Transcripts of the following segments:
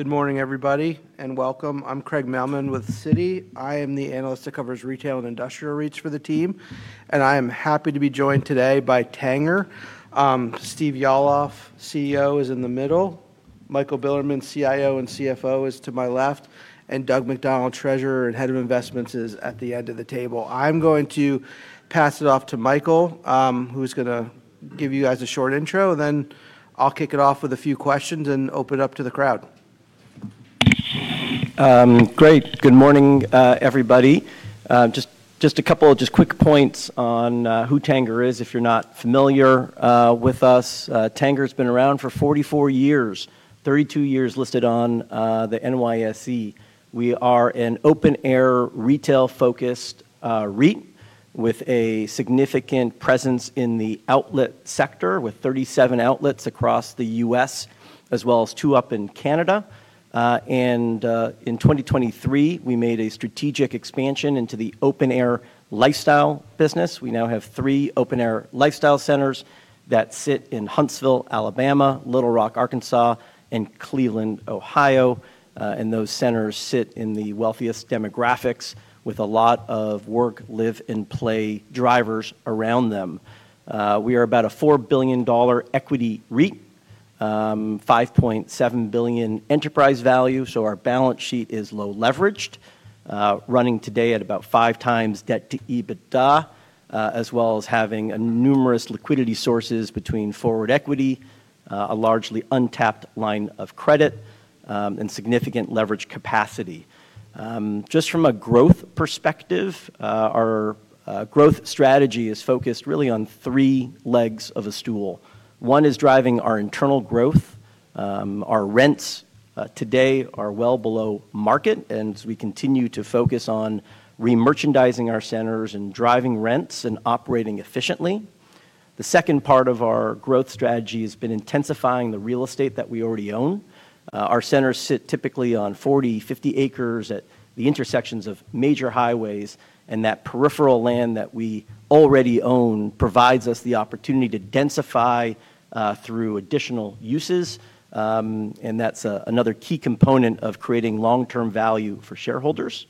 Good morning, everybody, and welcome. I'm Craig Mailman with Citi. I am the analyst that covers retail and industrial REITs for the team, and I am happy to be joined today by Tanger. Steve Yalof, CEO, is in the middle. Michael Bilerman, CIO and CFO, is to my left, and Doug McDonald, Treasurer and Head of Investments, is at the end of the table. I'm going to pass it off to Michael, who's going to give you guys a short intro, and then I'll kick it off with a few questions and open it up to the crowd. Great. Good morning, everybody. Just a couple of just quick points on who Tanger is. If you're not familiar with us, Tanger has been around for 44 years, 32 years listed on the NYSE. We are an open-air retail-focused REIT with a significant presence in the outlet sector, with 37 outlets across the U.S., as well as 2 up in Canada. And in 2023, we made a strategic expansion into the open-air lifestyle business. We now have three open-air lifestyle centers that sit in Huntsville, Alabama, Little Rock, Arkansas, and Cleveland, Ohio. Those centers sit in the wealthiest demographics, with a lot of work, live, and play drivers around them. We are about a $4 billion equity REIT, $5.7 billion enterprise value. So our balance sheet is low leveraged, running today at about 5x debt-to-EBITDA, as well as having numerous liquidity sources between forward equity, a largely untapped line of credit, and significant leverage capacity. Just from a growth perspective, our growth strategy is focused really on three legs of a stool. One is driving our internal growth. Our rents today are well below market, and we continue to focus on re-merchandising our centers and driving rents and operating efficiently. The second part of our growth strategy has been intensifying the real estate that we already own. Our centers sit typically on 40, 50 acres at the intersections of major highways, and that peripheral land that we already own provides us the opportunity to densify through additional uses. That is another key component of creating long-term value for shareholders.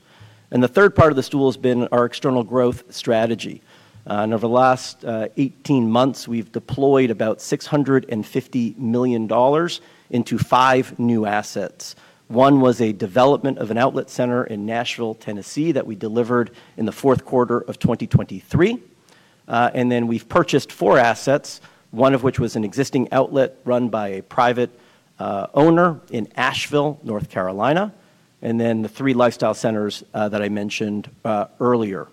The third part of the stool has been our external growth strategy. Over the last 18 months, we've deployed about $650 million into five new assets. One was a development of an outlet center in Nashville, Tennessee, that we delivered in the fourth quarter of 2023. We have purchased four assets, one of which was an existing outlet run by a private owner in Asheville, North Carolina, and the three lifestyle centers that I mentioned earlier.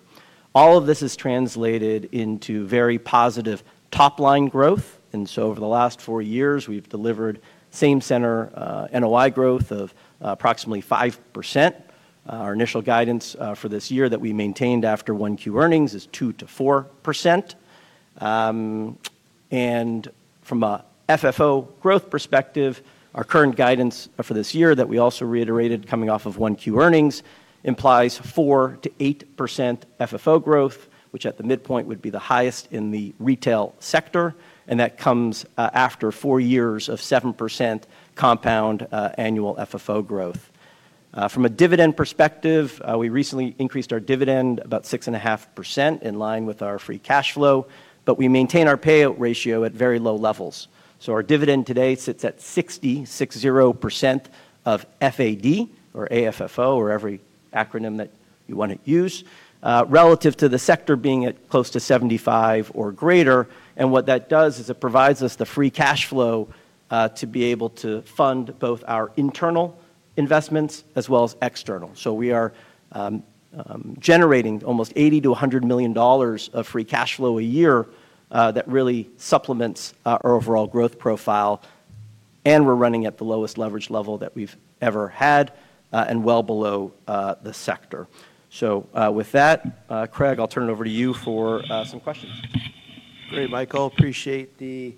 All of this has translated into very positive top-line growth. Over the last four years, we've delivered same-center NOI growth of approximately 5%. Our initial guidance for this year that we maintained after 1Q earnings is 2%-4%. And from an FFO growth perspective, our current guidance for this year that we also reiterated coming off of 1Q earnings implies 4%-8% FFO growth, which at the midpoint would be the highest in the retail sector. That comes after four years of 7% compound annual FFO growth. From a dividend perspective, we recently increased our dividend about 6.5% in line with our free cash flow, but we maintain our payout ratio at very low levels. Our dividend today sits at 60, 60% of FAD, or AFFO, or every acronym that you want to use, relative to the sector being at close to 75% or greater. What that does is it provides us the free cash flow to be able to fund both our internal investments as well as external. We are generating almost $80 million-$100 million of free cash flow a year that really supplements our overall growth profile. And we are running at the lowest leverage level that we have ever had and well below the sector. So, with that, Craig, I will turn it over to you for some questions. Great, Michael. Appreciate the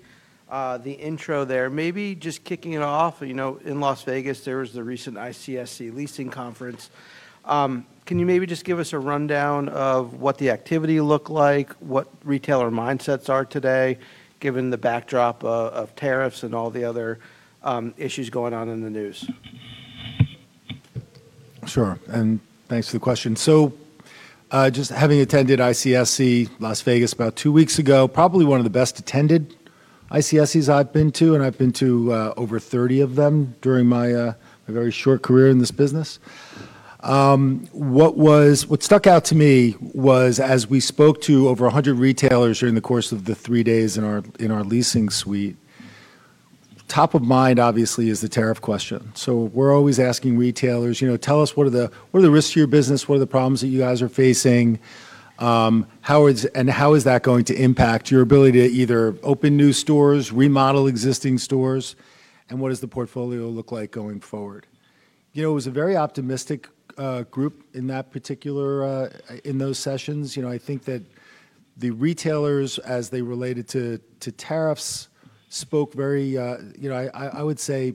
intro there. Maybe just kicking it off, you know, in Las Vegas, there was the recent ICSC Leasing Conference. Can you maybe just give us a rundown of what the activity looked like, what retailer mindsets are today, given the backdrop of tariffs and all the other issues going on in the news? Sure. Thanks for the question. Just having attended ICSC Las Vegas about two weeks ago, probably one of the best attended ICSCs I've been to, and I've been to over 30 of them during my very short career in this business. What stuck out to me was, as we spoke to over 100 retailers during the course of the three days in our leasing suite, top of mind, obviously, is the tariff question. We're always asking retailers, you know, tell us what are the risks to your business, what are the problems that you guys are facing, and how is that going to impact your ability to either open new stores, remodel existing stores, and what does the portfolio look like going forward? It was a very optimistic group in that particular, in those sessions. You know, I think that the retailers, as they related to tariffs, spoke very, you know, I would say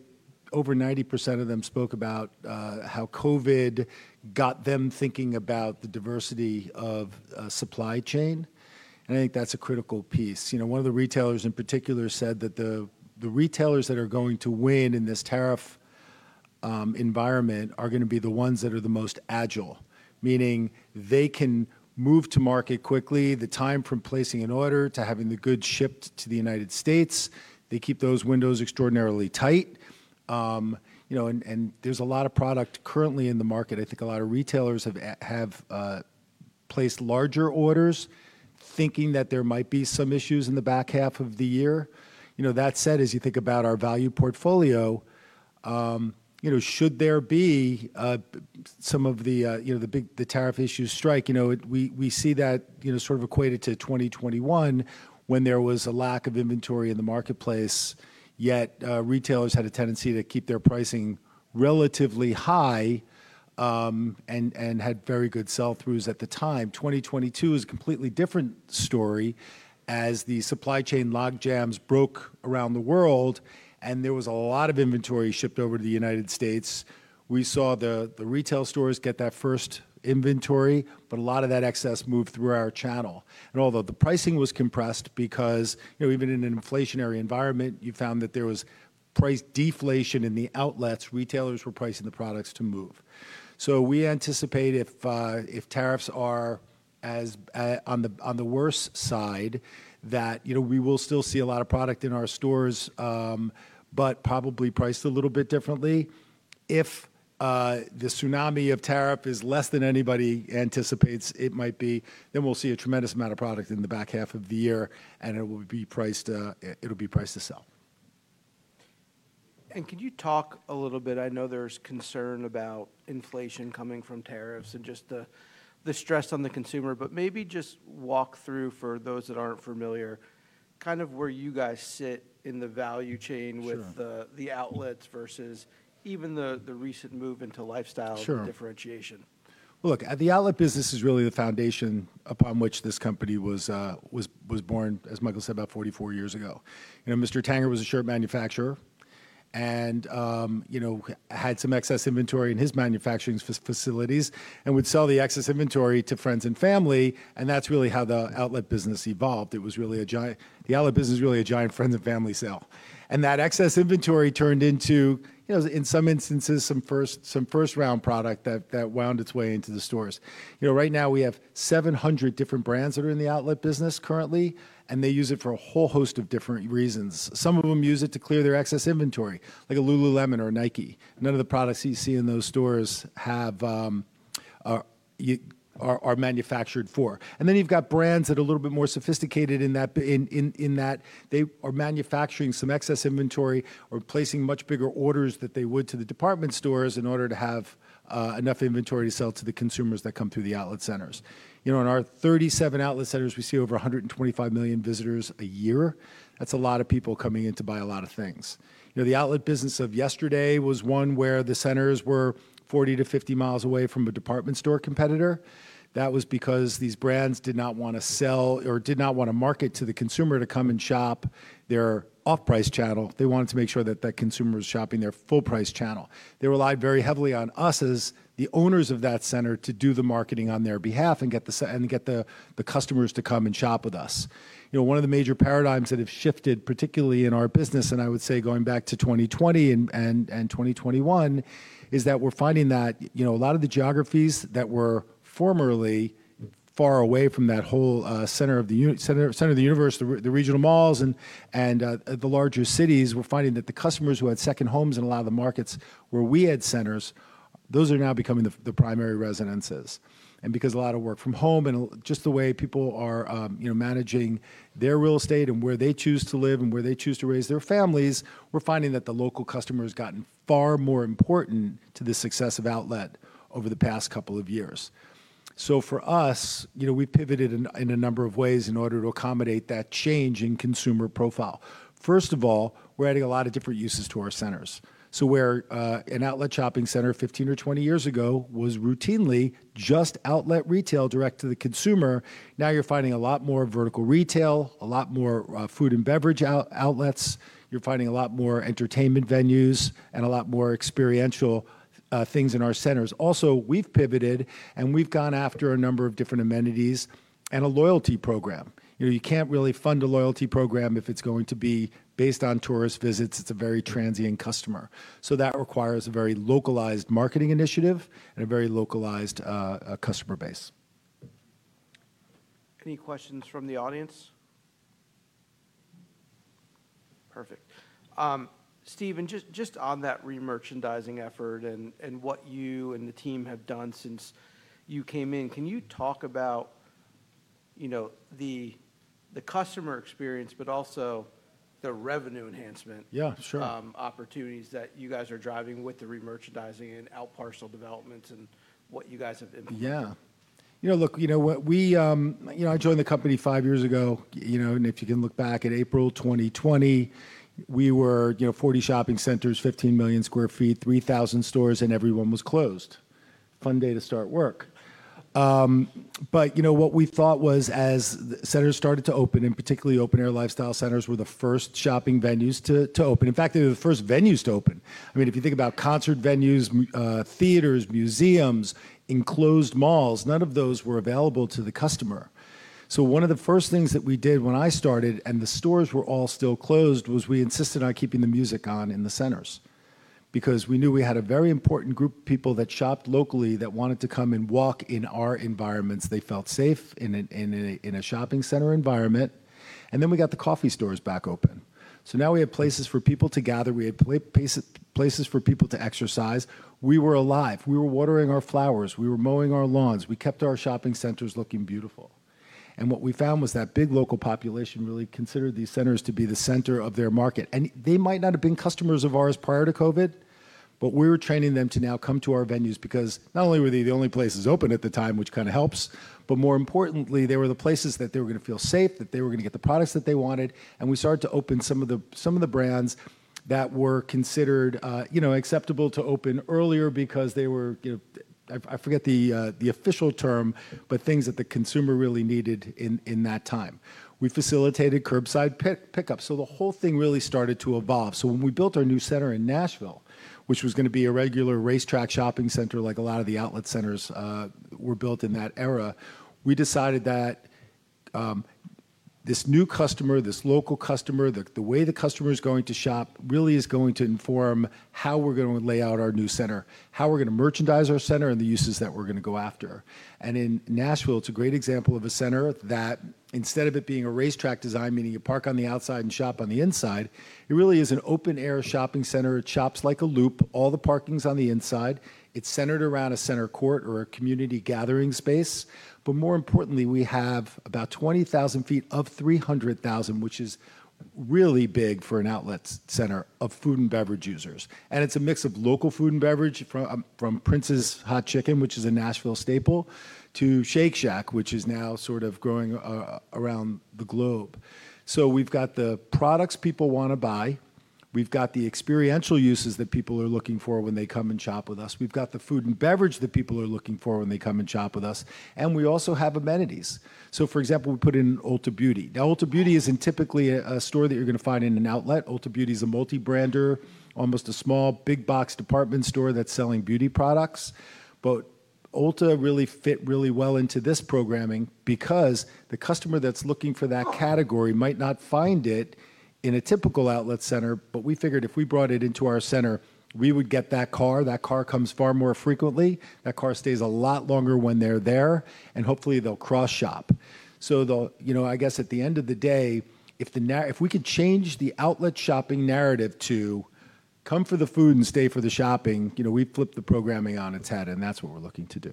over 90% of them spoke about how COVID got them thinking about the diversity of supply chain. And I think that's a critical piece. You know, one of the retailers in particular said that the retailers that are going to win in this tariff environment are going to be the ones that are the most agile, meaning they can move to market quickly, the time from placing an order to having the goods shipped to the United States. They keep those windows extraordinarily tight. You know, and there's a lot of product currently in the market. I think a lot of retailers have placed larger orders thinking that there might be some issues in the back half of the year. You know, that said, as you think about our value portfolio, you know, should there be some of the, you know, the tariff issues strike, you know, we see that, you know, sort of equated to 2021 when there was a lack of inventory in the marketplace, yet retailers had a tendency to keep their pricing relatively high and had very good sell-throughs at the time. 2022 is a completely different story as the supply chain lock jams broke around the world and there was a lot of inventory shipped over to the United States. We saw the retail stores get that first inventory, but a lot of that excess moved through our channel. Although the pricing was compressed because, you know, even in an inflationary environment, you found that there was price deflation in the outlets, retailers were pricing the products to move. So we anticipate if tariffs are on the worst side that, you know, we will still see a lot of product in our stores, but probably priced a little bit differently. If the tsunami of tariff is less than anybody anticipates it might be, then we'll see a tremendous amount of product in the back half of the year and it will be priced, it'll be priced to sell. And could you talk a little bit? I know there is concern about inflation coming from tariffs and just the stress on the consumer, but maybe just walk through for those that are not familiar kind of where you guys sit in the value chain with the outlets versus even the recent move into lifestyle differentiation. Sure. Look, the outlet business is really the foundation upon which this company was born, as Michael said, about 44 years ago. You know, Mr. Tanger was a shirt manufacturer and, you know, had some excess inventory in his manufacturing facilities and would sell the excess inventory to friends and family. That is really how the outlet business evolved. It was really a giant, the outlet business was really a giant friends and family sale. That excess inventory turned into, you know, in some instances, some first-round product that wound its way into the stores. You know, right now we have 700 different brands that are in the outlet business currently, and they use it for a whole host of different reasons. Some of them use it to clear their excess inventory, like a Lululemon or Nike. None of the products you see in those stores are manufactured for. You have brands that are a little bit more sophisticated in that, they are manufacturing some excess inventory or placing much bigger orders than they would to the department stores in order to have enough inventory to sell to the consumers that come through the outlet centers. You know, in our 37 outlet centers, we see over 125 million visitors a year. That's a lot of people coming in to buy a lot of things. You know, the outlet business of yesterday was one where the centers were 40-50 miles away from a department store competitor. That was because these brands did not want to sell or did not want to market to the consumer to come and shop their off-price channel. They wanted to make sure that that consumer was shopping their full-price channel. They relied very heavily on us as the owners of that center to do the marketing on their behalf and get the customers to come and shop with us. You know, one of the major paradigms that have shifted, particularly in our business, and I would say going back to 2020 and 2021, is that we're finding that, you know, a lot of the geographies that were formerly far away from that whole center of the universe, the regional malls and the larger cities, we're finding that the customers who had second homes in a lot of the markets where we had centers, those are now becoming the primary residences. Because a lot of work from home and just the way people are, you know, managing their real estate and where they choose to live and where they choose to raise their families, we're finding that the local customer has gotten far more important to the success of outlet over the past couple of years. For us, you know, we've pivoted in a number of ways in order to accommodate that change in consumer profile. First of all, we're adding a lot of different uses to our centers. Where an outlet shopping center 15 or 20 years ago was routinely just outlet retail direct to the consumer, now you're finding a lot more vertical retail, a lot more food and beverage outlets. You're finding a lot more entertainment venues and a lot more experiential things in our centers. Also, we've pivoted and we've gone after a number of different amenities and a loyalty program. You know, you can't really fund a loyalty program if it's going to be based on tourist visits. It's a very transient customer. That requires a very localized marketing initiative and a very localized customer base. Any questions from the audience? Perfect. Steven, just on that re-merchandising effort and what you and the team have done since you came in, can you talk about, you know, the customer experience, but also the revenue enhancement opportunities that you guys are driving with the re-merchandising and outparcel developments and what you guys have implemented? Yeah. You know, look, you know, we, you know, I joined the company five years ago, you know, and if you can look back at April 2020, we were, you know, 40 shopping centers, 15 million sq ft, 3,000 stores, and everyone was closed. Fun day to start work. You know, what we thought was as centers started to open, and particularly open-air lifestyle centers were the first shopping venues to open. In fact, they were the first venues to open. I mean, if you think about concert venues, theaters, museums, enclosed malls, none of those were available to the customer. So, one of the first things that we did when I started, and the stores were all still closed, was we insisted on keeping the music on in the centers because we knew we had a very important group of people that shopped locally that wanted to come and walk in our environments. They felt safe in a shopping center environment. Then we got the coffee stores back open. Now we had places for people to gather. We had places for people to exercise. We were alive. We were watering our flowers. We were mowing our lawns. We kept our shopping centers looking beautiful. What we found was that big local population really considered these centers to be the center of their market. They might not have been customers of ours prior to COVID, but we were training them to now come to our venues because not only were they the only places open at the time, which kind of helps, but more importantly, they were the places that they were going to feel safe, that they were going to get the products that they wanted. We started to open some of the brands that were considered, you know, acceptable to open earlier because they were, you know, I forget the official term, but things that the consumer really needed in that time. We facilitated curbside pickup. The whole thing really started to evolve. When we built our new center in Nashville, which was going to be a regular racetrack shopping center like a lot of the outlet centers were built in that era, we decided that this new customer, this local customer, the way the customer is going to shop really is going to inform how we're going to lay out our new center, how we're going to merchandise our center and the uses that we're going to go after. In Nashville, it's a great example of a center that instead of it being a racetrack design, meaning you park on the outside and shop on the inside, it really is an open-air shopping center. It shops like a loop, all the parking is on the inside. It's centered around a center court or a community gathering space. More importantly, we have about 20,000 ft of 300,000, which is really big for an outlet center of food and beverage users. It is a mix of local food and beverage from Prince's Hot Chicken, which is a Nashville staple, to Shake Shack, which is now sort of growing around the globe. We have the products people want to buy. We have the experiential uses that people are looking for when they come and shop with us. We have the food and beverage that people are looking for when they come and shop with us. We also have amenities. For example, we put in Ulta Beauty. Now, Ulta Beauty is not typically a store that you are going to find in an outlet. Ulta Beauty is a multi-brander, almost a small big-box department store that is selling beauty products. Ulta really fit really well into this programming because the customer that's looking for that category might not find it in a typical outlet center, but we figured if we brought it into our center, we would get that car. That car comes far more frequently. That car stays a lot longer when they're there, and hopefully they'll cross-shop. You know, I guess at the end of the day, if we could change the outlet shopping narrative to come for the food and stay for the shopping, you know, we flip the programming on its head and that's what we're looking to do.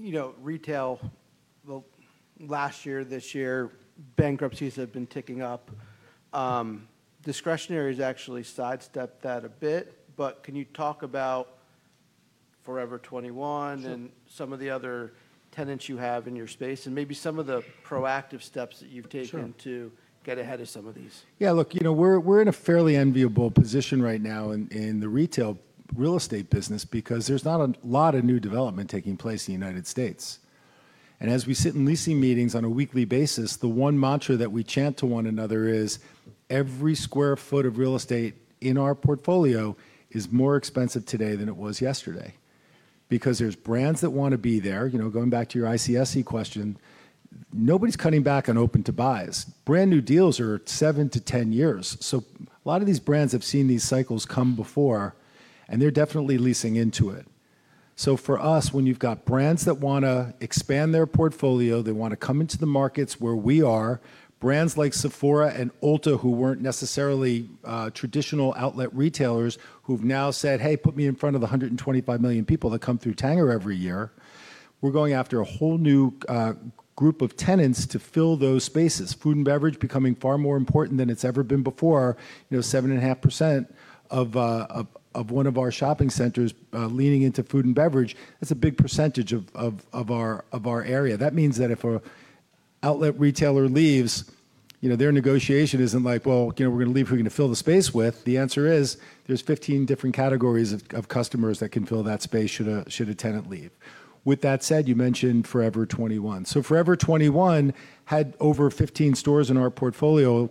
You know, retail, last year, this year, bankruptcies have been ticking up. Discretionary has actually sidestepped that a bit, but can you talk about Forever 21 and some of the other tenants you have in your space and maybe some of the proactive steps that you've taken to get ahead of some of these? Yeah, look, you know, we're in a fairly enviable position right now in the retail real estate business because there's not a lot of new development taking place in the United States. As we sit in leasing meetings on a weekly basis, the one mantra that we chant to one another is every square foot of real estate in our portfolio is more expensive today than it was yesterday because there's brands that want to be there. You know, going back to your ICSC question, nobody's cutting back on open-to-buys. Brand new deals are 7-10 years. A lot of these brands have seen these cycles come before and they're definitely leasing into it. So for us, when you've got brands that want to expand their portfolio, they want to come into the markets where we are, brands like Sephora and Ulta who weren't necessarily traditional outlet retailers who've now said, "Hey, put me in front of the 125 million people that come through Tanger every year." We're going after a whole new group of tenants to fill those spaces. Food and beverage becoming far more important than it's ever been before. You know, 7.5% of one of our shopping centers leaning into food and beverage. That's a big percentage of our area. That means that if an outlet retailer leaves, you know, their negotiation isn't like, "Well, you know, we're going to leave, who are we going to fill the space with?" The answer is there's 15 different categories of customers that can fill that space should a tenant leave. With that said, you mentioned Forever 21. So Forever 21 had over 15 stores in our portfolio,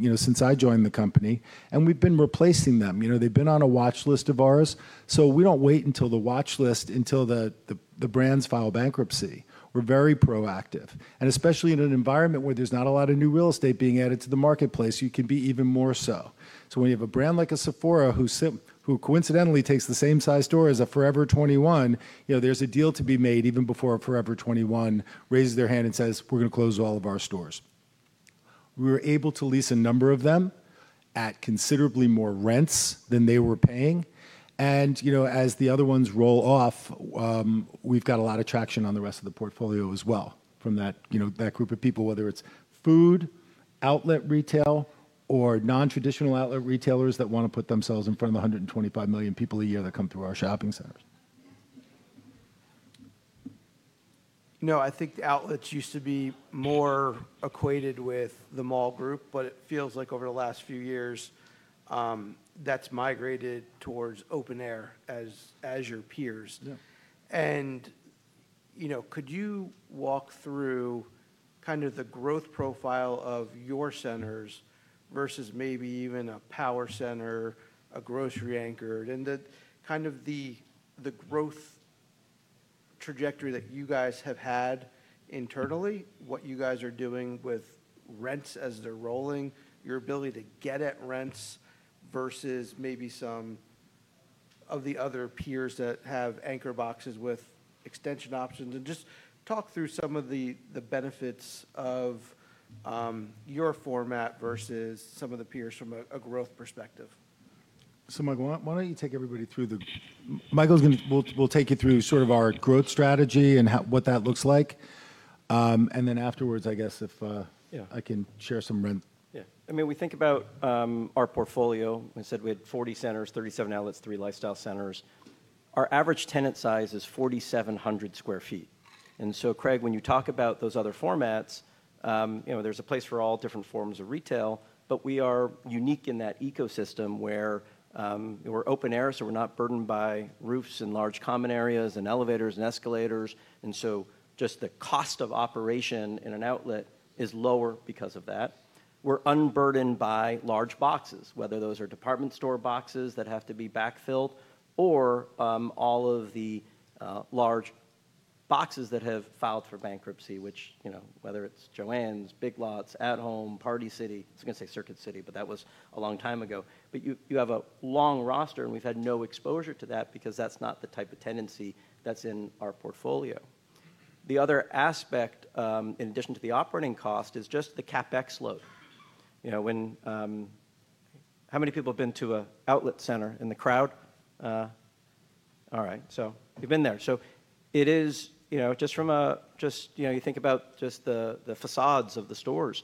you know, since I joined the company. And we've been replacing them. You know, they've been on a watch list of ours. We don't wait until the watch list, until the brands file bankruptcy. We're very proactive. Especially in an environment where there's not a lot of new real estate being added to the marketplace, you can be even more so. When you have a brand like a Sephora who coincidentally takes the same size store as a Forever 21, you know, there's a deal to be made even before a Forever 21 raises their hand and says, "We're going to close all of our stores." We were able to lease a number of them at considerably more rents than they were paying. You know, as the other ones roll off, we've got a lot of traction on the rest of the portfolio as well from that, you know, that group of people, whether it's food, outlet retail, or non-traditional outlet retailers that want to put themselves in front of the 125 million people a year that come through our shopping centers. You know, I think outlets used to be more equated with the mall group, but it feels like over the last few years that's migrated towards open-air as your peers. You know, could you walk through kind of the growth profile of your centers versus maybe even a power center, a grocery anchored, and kind of the growth trajectory that you guys have had internally, what you guys are doing with rents as they're rolling, your ability to get at rents versus maybe some of the other peers that have anchor boxes with extension options, and just talk through some of the benefits of your format versus some of the peers from a growth perspective. Michael, why don't you take everybody through the Michael's going to we'll take you through sort of our growth strategy and what that looks like. Then afterwards, I guess if I can share some rent. Yeah. I mean, we think about our portfolio. We said we had 40 centers, 37 outlets, 3 lifestyle centers. Our average tenant size is 4,700 sq ft. And so, Craig, when you talk about those other formats, you know, there's a place for all different forms of retail, but we are unique in that ecosystem where we're open-air, so we're not burdened by roofs and large common areas and elevators and escalators. And so just the cost of operation in an outlet is lower because of that. We're unburdened by large boxes, whether those are department store boxes that have to be backfilled or all of the large boxes that have filed for bankruptcy, which, you know, whether it's Joann, Big Lots, At Home, Party City. I was going to say Circuit City, but that was a long time ago. You have a long roster, and we've had no exposure to that because that's not the type of tenancy that's in our portfolio. The other aspect, in addition to the operating cost, is just the CapEx load. You know, how many people have been to an outlet center in the crowd? All right. So you have been there. It is, you know, just from a, just, you know, you think about just the facades of the stores.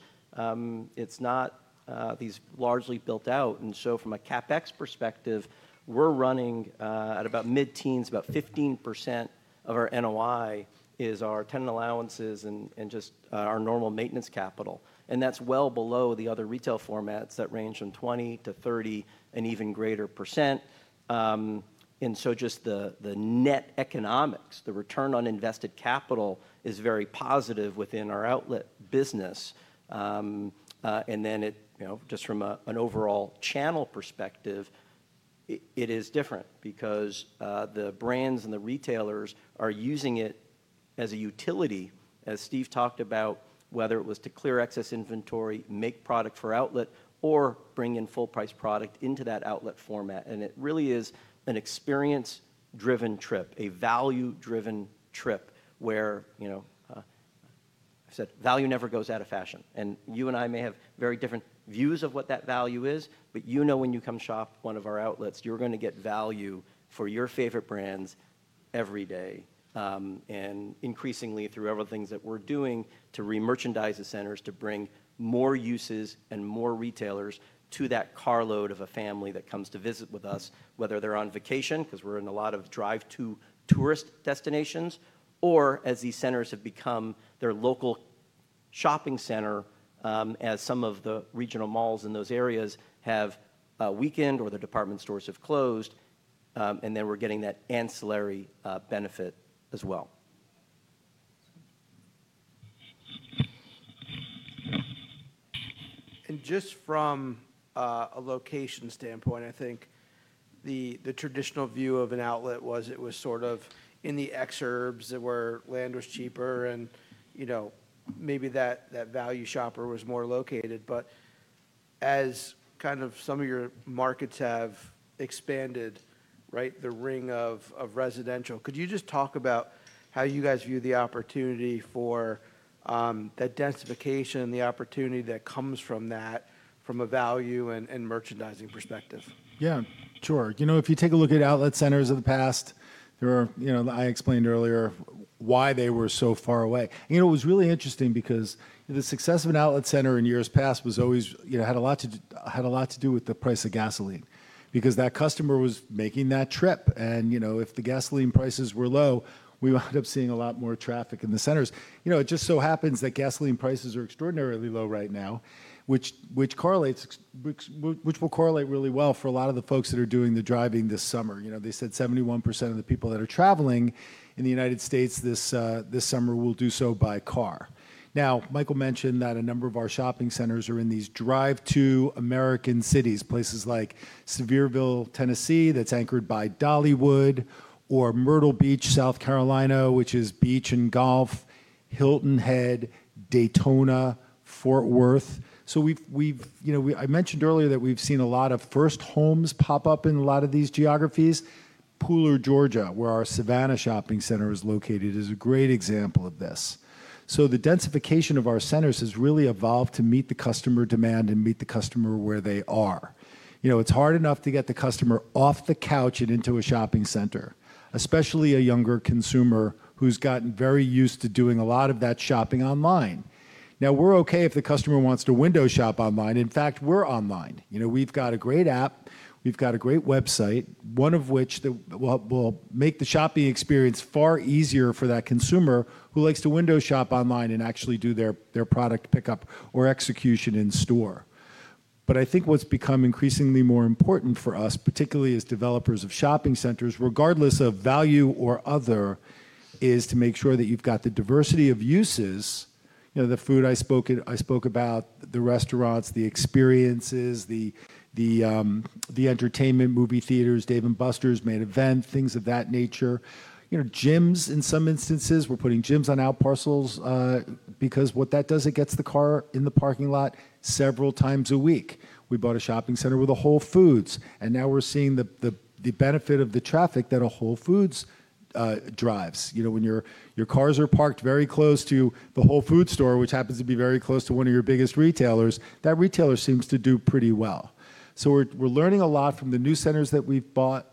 It's not these largely built out. So from a CapEx perspective, we're running at about mid-teens, about 15% of our NOI is our tenant allowances and just our normal maintenance capital. That's well below the other retail formats that range from 20%-30% and even greater percent. Just the net economics, the return on invested capital is very positive within our outlet business. It, you know, just from an overall channel perspective, it is different because the brands and the retailers are using it as a utility, as Steve talked about, whether it was to clear excess inventory, make product for outlet, or bring in full-price product into that outlet format. It really is an experience-driven trip, a value-driven trip where, you know, I've said value never goes out of fashion. You and I may have very different views of what that value is, but you know when you come shop one of our outlets, you're going to get value for your favorite brands every day. Increasingly through other things that we're doing to re-merchandise the centers to bring more uses and more retailers to that carload of a family that comes to visit with us, whether they're on vacation because we're in a lot of drive-to tourist destinations, or as these centers have become their local shopping center, as some of the regional malls in those areas have weakened or the department stores have closed, we're getting that ancillary benefit as well. Just from a location standpoint, I think the traditional view of an outlet was it was sort of in the exurbs where land was cheaper and, you know, maybe that value shopper was more located. As kind of some of your markets have expanded, right, the ring of residential, could you just talk about how you guys view the opportunity for that densification, the opportunity that comes from that from a value and merchandising perspective? Yeah, sure. You know, if you take a look at outlet centers of the past, there were, you know, I explained earlier why they were so far away. It was really interesting because the success of an outlet center in years past was always, you know, had a lot to do with the price of gasoline because that customer was making that trip. You know, if the gasoline prices were low, we wound up seeing a lot more traffic in the centers. It just so happens that gasoline prices are extraordinarily low right now, which correlates, which will correlate really well for a lot of the folks that are doing the driving this summer. You know, they said 71% of the people that are traveling in the United States this summer will do so by car. Now, Michael mentioned that a number of our shopping centers are in these drive-to American cities, places like Sevierville, Tennessee, that's anchored by Dollywood, or Myrtle Beach, South Carolina, which is beach and golf, Hilton Head, Daytona, Fort Worth. We've, you know, I mentioned earlier that we've seen a lot of first homes pop up in a lot of these geographies. Pooler, Georgia, where our Savannah shopping center is located, is a great example of this. The densification of our centers has really evolved to meet the customer demand and meet the customer where they are. You know, it's hard enough to get the customer off the couch and into a shopping center, especially a younger consumer who's gotten very used to doing a lot of that shopping online. We're okay if the customer wants to window shop online. In fact, we're online. You know, we've got a great app. We've got a great website, one of which will make the shopping experience far easier for that consumer who likes to window shop online and actually do their product pickup or execution in store. I think what's become increasingly more important for us, particularly as developers of shopping centers, regardless of value or other, is to make sure that you've got the diversity of uses. You know, the food I spoke about, the restaurants, the experiences, the entertainment, movie theaters, Dave & Buster's, Main Event, things of that nature. You know, gyms in some instances. We're putting gyms on our parcels because what that does, it gets the car in the parking lot several times a week. We bought a shopping center with a Whole Foods, and now we're seeing the benefit of the traffic that a Whole Foods drives. You know, when your cars are parked very close to the Whole Foods store, which happens to be very close to one of your biggest retailers, that retailer seems to do pretty well. So we're learning a lot from the new centers that we've bought.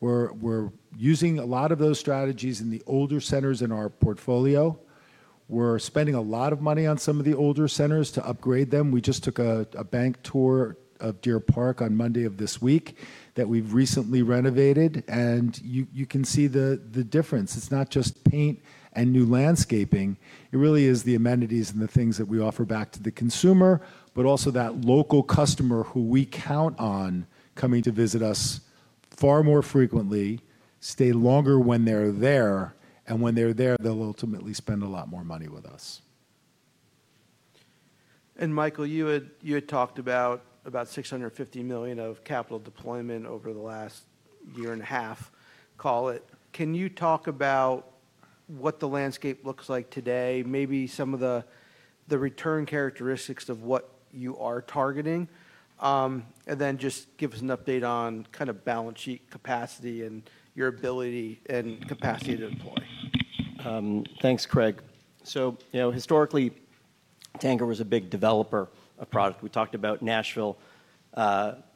We're using a lot of those strategies in the older centers in our portfolio. We're spending a lot of money on some of the older centers to upgrade them. We just took a bank tour of Deer Park on Monday of this week that we've recently renovated. And you can see the difference. It's not just paint and new landscaping. It really is the amenities and the things that we offer back to the consumer, but also that local customer who we count on coming to visit us far more frequently, stay longer when they're there, and when they're there, they'll ultimately spend a lot more money with us. Michael, you had talked about about $650 million of capital deployment over the last year and a half, call it. Can you talk about what the landscape looks like today, maybe some of the return characteristics of what you are targeting, and then just give us an update on kind of balance sheet capacity and your ability and capacity to deploy? Thanks, Craig. You know, historically, Tanger was a big developer of product. We talked about Nashville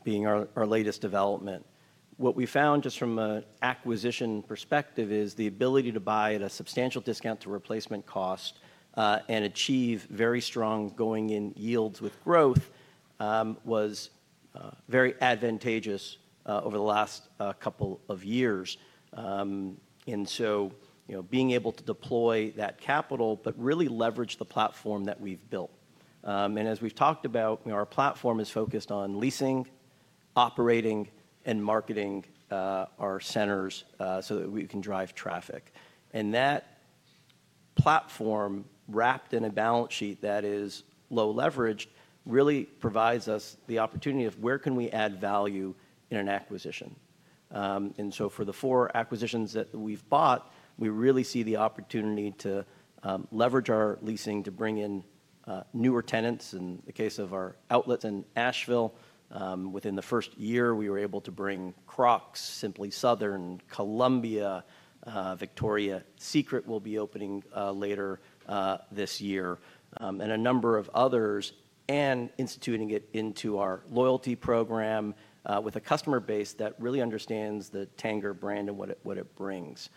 being our latest development. What we found just from an acquisition perspective is the ability to buy at a substantial discount to replacement cost and achieve very strong going-in yields with growth was very advantageous over the last couple of years. And so you know, being able to deploy that capital, but really leverage the platform that we've built. As we've talked about, our platform is focused on leasing, operating, and marketing our centers so that we can drive traffic. That platform, wrapped in a balance sheet that is low leverage, really provides us the opportunity of where can we add value in an acquisition. And so for the four acquisitions that we've bought, we really see the opportunity to leverage our leasing to bring in newer tenants. In the case of our outlets in Asheville, within the first year, we were able to bring Crocs, Simply Southern, Columbia, Victoria's Secret will be opening later this year, and a number of others, and instituting it into our loyalty program with a customer base that really understands the Tanger brand and what it brings.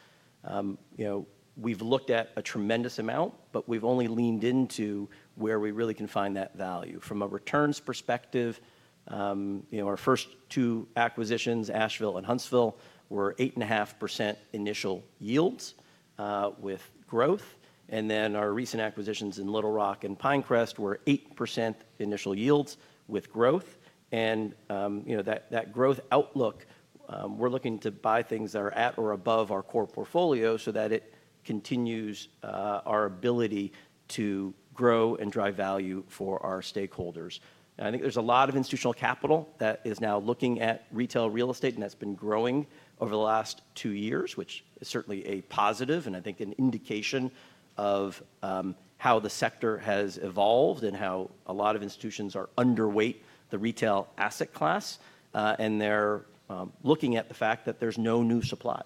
You know, we've looked at a tremendous amount, but we've only leaned into where we really can find that value. From a returns perspective, you know, our first two acquisitions, Asheville and Huntsville, were 8.5% initial yields with growth. Our recent acquisitions in Little Rock and Pinecrest were 8% initial yields with growth. You know, that growth outlook, we're looking to buy things that are at or above our core portfolio so that it continues our ability to grow and drive value for our stakeholders. I think there's a lot of institutional capital that is now looking at retail real estate, and that's been growing over the last two years, which is certainly a positive and I think an indication of how the sector has evolved and how a lot of institutions are underweight the retail asset class. They're looking at the fact that there's no new supply.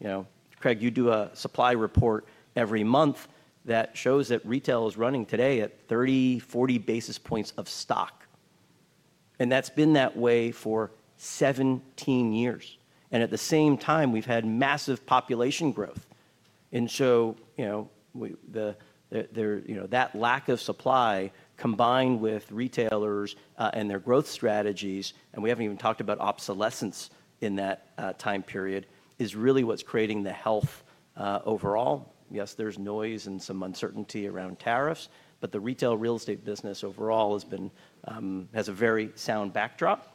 You know, Craig, you do a supply report every month that shows that retail is running today at 30, 40 basis points of stock. That's been that way for 17 years. And at the same time, we've had massive population growth. You know, that lack of supply combined with retailers and their growth strategies, and we haven't even talked about obsolescence in that time period, is really what's creating the health overall. Yes, there's noise and some uncertainty around tariffs, but the retail real estate business overall has a very sound backdrop.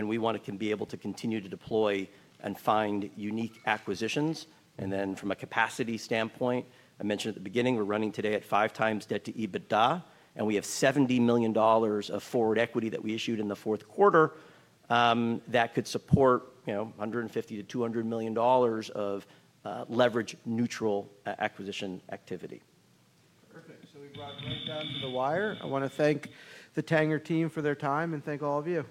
We want to be able to continue to deploy and find unique acquisitions. And then from a capacity standpoint, I mentioned at the beginning, we're running today at 5x debt-to-EBITDA, and we have $70 million of forward equity that we issued in the fourth quarter that could support, you know, $150 million-$200 million of leverage-neutral acquisition activity. Perfect. We brought it right down to the wire. I want to thank the Tanger team for their time and thank all of you.